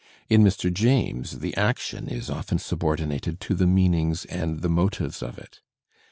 In Mr. James the action is often subordinated to the meanings and the motives of it.